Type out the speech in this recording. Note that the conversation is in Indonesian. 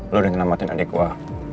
lo udah nyelamatin adik gue